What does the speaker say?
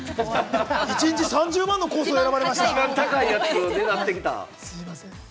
一日３０万のコースをねだりました。